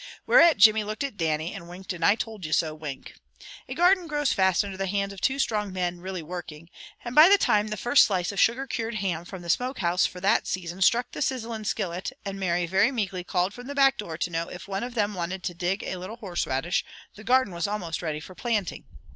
Whereat Jimmy looked at Dannie, and winked an 'I told you so' wink. A garden grows fast under the hands of two strong men really working, and by the time the first slice of sugar cured ham from the smoke house for that season struck the sizzling skillet, and Mary very meekly called from the back door to know if one of them wanted to dig a little horse radish, the garden was almost ready for planting.